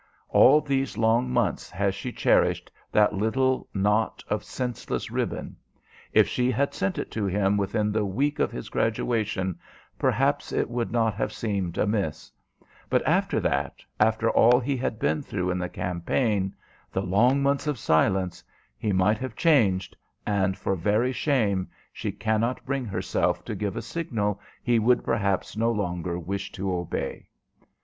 All these long months has she cherished that little knot of senseless ribbon. If she had sent it to him within the week of his graduation, perhaps it would not have seemed amiss; but after that, after all he had been through in the campaign, the long months of silence, he might have changed, and, for very shame, she cannot bring herself to give a signal he would perhaps no longer wish to obey.